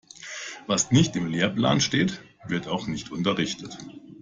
Was nicht im Lehrplan steht, wird auch nicht unterrichtet.